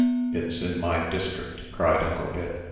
"It's in my district!" cried Uncle Ith.